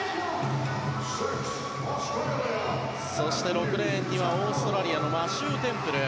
そして、６レーンにはオーストラリアのマシュー・テンプル。